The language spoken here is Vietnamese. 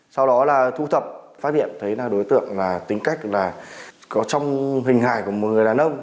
sau đó là thu thập phát hiện thấy là đối tượng là tính cách là có trong hình hài của một người đàn ông